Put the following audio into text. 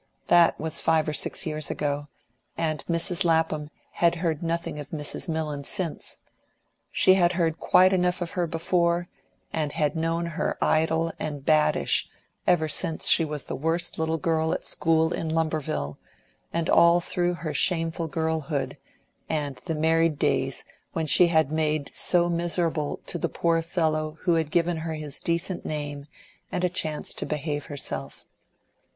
That was five or six years ago, and Mrs. Lapham had heard nothing of Mrs. Millon since; she had heard quite enough of her before; and had known her idle and baddish ever since she was the worst little girl at school in Lumberville, and all through her shameful girlhood, and the married days which she had made so miserable to the poor fellow who had given her his decent name and a chance to behave herself.